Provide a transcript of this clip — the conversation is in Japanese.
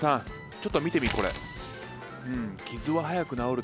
ちょっと見てみこれ。